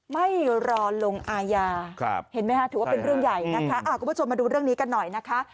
ไม่รอลงอาญาเห็นไหมคะถือว่าเป็นเรื่องใหญ่นะคะคุณผู้ชมมาดูเรื่องนี้กันหน่อยนะคะ